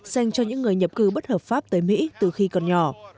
dành cho những người nhập cư bất hợp pháp tới mỹ từ khi còn nhỏ